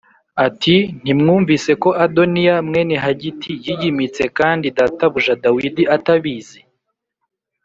ati “Ntiwumvise ko Adoniya mwene Hagiti yiyimitse kandi databuja Dawidi atabizi?